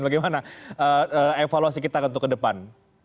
bagaimana evaluasi kita untuk ke depan